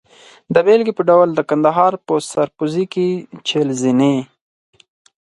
د بېلګې په ډول د کندهار په سرپوزي کې چهل زینې.